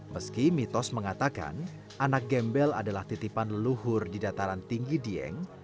meski mitos mengatakan anak gembel adalah titipan leluhur di dataran tinggi dieng